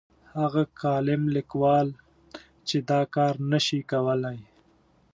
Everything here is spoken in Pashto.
هغه کالم لیکوال چې دا کار نه شي کولای.